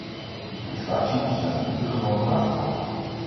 Mijn fractie is daar in ieder geval klaar voor.